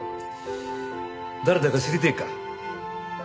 誰だか知りてえか？